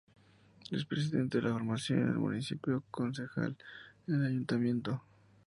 Es presidente de la formación en el municipio y concejal en el Ayuntamiento.